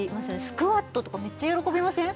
スクワットとかめっちゃ喜びません？